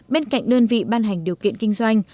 bên cạnh đơn vị ban hành điều kiện kinh doanh